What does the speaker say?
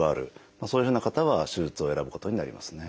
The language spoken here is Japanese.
そういうふうな方は手術を選ぶことになりますね。